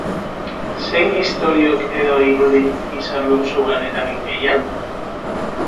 Zein istoriok edo irudik izan du zugan eragin gehien?